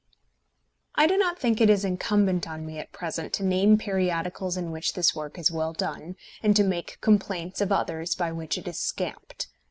I do not think it is incumbent on me at present to name periodicals in which this work is well done, and to make complaints of others by which it is scamped.